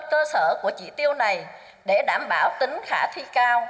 cơ sở của chỉ tiêu này để đảm bảo tính khả thi cao